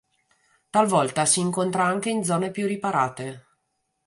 Talvolta si incontra anche in zone più riparate.